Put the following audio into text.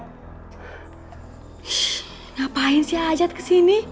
shhh ngapain si ajat kesini